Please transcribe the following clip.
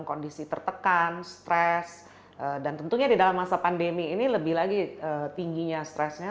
kondisi tertekan stres dan tentunya di dalam masa pandemi ini lebih lagi tingginya stresnya